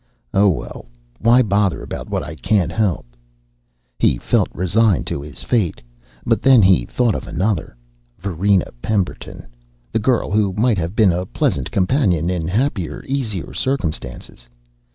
Oh, well, why bother about what I can't help?" He felt resigned to his fate. But then he thought of another Varina Pemberton, the girl who might have been a pleasant companion in happier, easier circumstances.